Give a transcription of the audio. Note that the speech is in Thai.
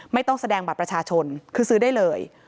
ไม่ต้องแสดงบัตรประชาชนคือซื้อได้เลย